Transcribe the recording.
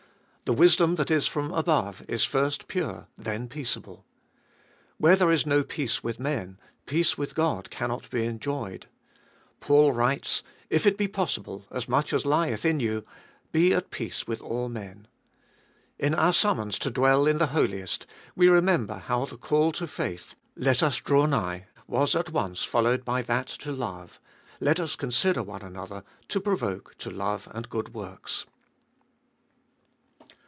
The wisdom that is from above is first pure, then peaceable. Where there is no peace with men, peace with God cannot be enjoyed. Paul writes: If it be possible, as much as lieth in you, 498 trbe Ibotiest of Bll be at peace with all men. In our summons to dwell in the Holiest, we remember how the call to faith, Let us draw nigh, was at once followed by that to love, Let us consider one another, to provoke to love and good works.